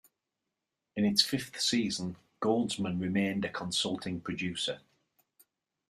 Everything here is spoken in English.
In its fifth season, Goldsman remained a consulting producer.